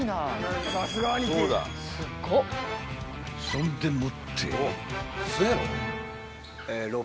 ［そんでもって］